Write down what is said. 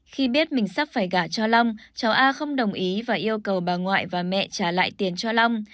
khi biết mình sắp phải gả cho long cháu a không đồng ý và yêu cầu bà ngoại và mẹ trả lại tiền cho long